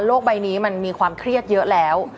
ใบนี้มันมีความเครียดเยอะแล้ว